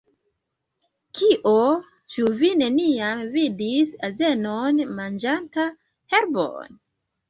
Kio? Ĉu vi neniam vidis azenon manĝanta herbon?